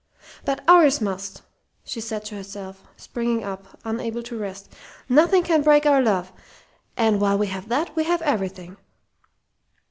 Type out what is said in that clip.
"But ours must!" she said to herself, springing up, unable to rest. "Nothing can break our love; and while we have that we have everything!"